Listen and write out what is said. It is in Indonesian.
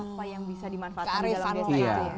apa yang bisa dimanfaatkan di dalam desa itu